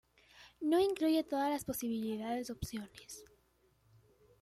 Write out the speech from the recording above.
No incluye todas las posibles opciones.